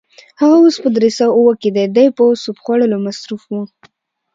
هغه اوس په درې سوه اووه کې دی، دی په سوپ خوړلو مصروف و.